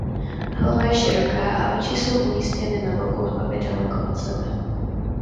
Hlava je široká a oči jsou umístěny na boku hlavy daleko od sebe.